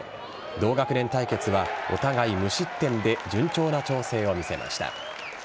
同学年対決はお互い無失点で順調な調整を見せました。